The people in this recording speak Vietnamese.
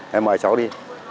hãy mời cháu đi